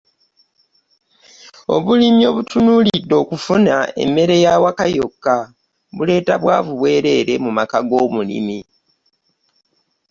Obulimi obutunuulidde okufuna emmere y'awaka yokka buleeta bwavu bwereere mu maka g'omulimi.